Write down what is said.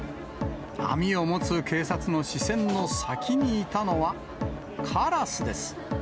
網を持つ警察の視線の先にいたのは、カラスです。